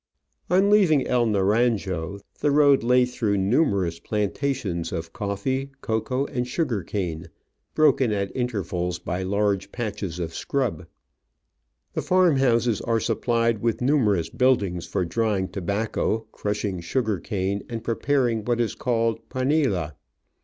On leaving El Naranjo the road lay through numerous plantations of coffee, cocoa, and sugar cane, broken at intervals by large patches of scrub. The farm houses are supplied with numerous buildings for drying tobacco, crushing sugar cane, and preparing what is called panela.